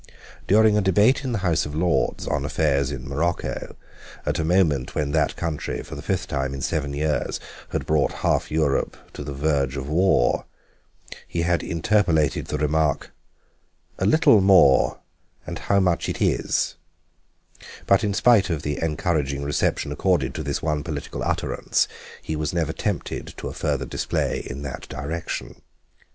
During a debate in the House of Lords on affairs in Morocco, at a moment when that country, for the fifth time in seven years, had brought half Europe to the verge of war, he had interpolated the remark "a little Moor and how much it is," but in spite of the encouraging reception accorded to this one political utterance he was never tempted to a further display in that direction.